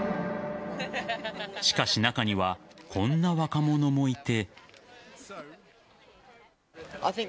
しかし中にはこんな若者もいて。